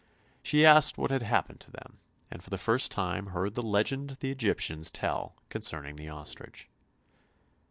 She asked what had happened to them, and for the first time heard the legend the Egyptians tell concerning the ostrich.